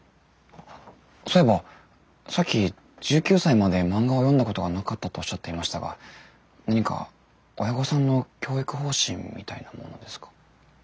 そういえばさっき１９歳まで漫画を読んだことがなかったとおっしゃっていましたが何か親御さんの教育方針みたいなものですか？